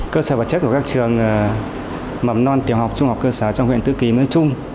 cơ sở vật chất của các trường mầm non tiểu học trung học cơ sở trong huyện tứ kỳ nói chung